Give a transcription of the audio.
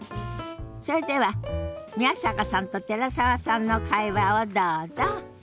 それでは宮坂さんと寺澤さんの会話をどうぞ。